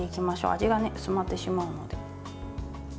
味が薄まってしまうので。